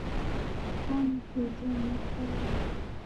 Wanizughia makae.